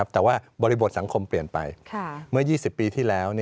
แต่ว่าบริบทสังคมเปลี่ยนไปเมื่อ๒๐ปีที่แล้ว